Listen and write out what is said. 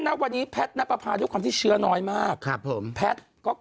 นะวันนี้แพทน์นับภาษณ์ด้วยความที่เชื่อน้อยมากค่ะผมแพทย์ก็